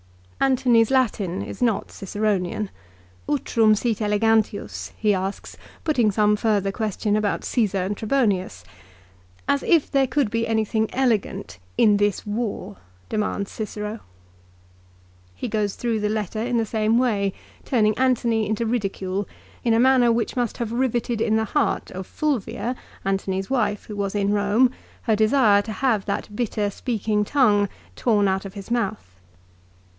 Antony's Latin is not Ciceronian, " Utrum sit elegantius," he asks, putting some further question about Caesar and Trebonius. " As if there could be anything elegant "in this war," demands Cicero. He goes through the letter in the same way, turning Antony into ridicule, in a manner which must have riveted in the heart of Fulvia, Antony's wife who was in Eome, her desire to have that bitter speaking tongue torn out of his mouth.